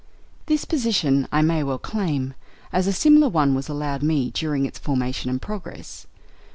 This position I may well claim, as a similar one was allowed me during its formation and progress.